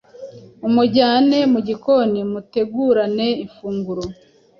umujyane mu gikoni mutegurane ifunguro